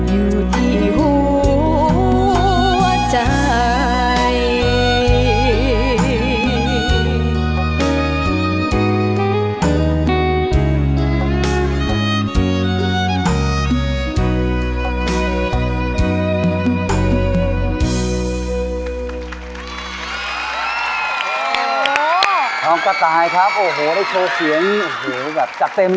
อยู่ไปฉันคงจะแย่ด้วยเกินแพล